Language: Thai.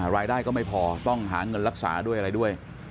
ก็ไม่พอต้องหาเงินรักษาด้วยอะไรด้วย